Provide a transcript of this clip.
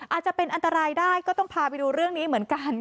อาจจะเป็นอันตรายได้ก็ต้องพาไปดูเรื่องนี้เหมือนกัน